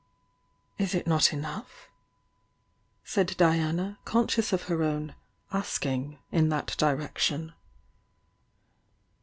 "Is it not enough?" said Diana, conscious of her own "asking" in that direction.